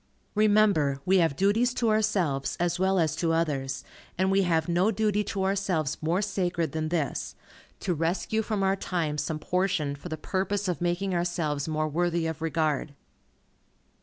Remember, we have duties to ourselves, as well as to others, and we have no duty to ourselves more sacred than this, to rescue from our time some portion for the purpose of making ourselves more worthy of regard.